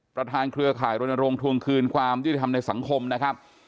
เครือข่ายรณรงค์ทวงคืนความยุติธรรมในสังคมนะครับ